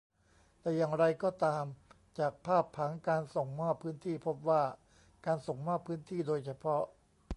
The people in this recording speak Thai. แต่อย่างไรก็ตาม จากภาพผังการส่งมอบพื้นที่พบว่า การส่งมอบพื้นที่โดยเฉพาะ